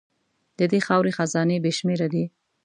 د دې خاورې خزانې بې شمېره دي.